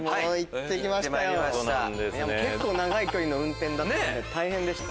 行ってきました結構長い距離の運転だったんで大変でした。